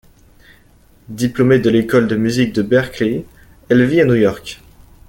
Diplômée de l'école de musique de Berklee, elle vit à New York.